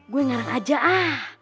gue ngarang aja ah